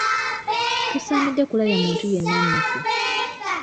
Tosaanidde kulabya muntu yenna nnaku.